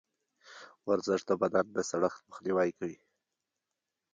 ورزش د بدن د سړښت مخنیوی کوي.